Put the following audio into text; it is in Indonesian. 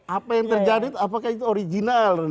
apa yang terjadi apakah itu original